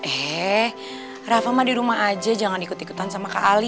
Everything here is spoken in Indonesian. eh rafa mah di rumah aja jangan ikut ikutan sama kak ali